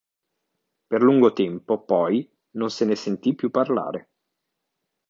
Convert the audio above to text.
Per lungo tempo, poi, non se ne sentì più parlare.